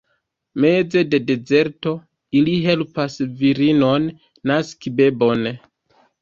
Meze de dezerto, ili helpas virinon naski bebon.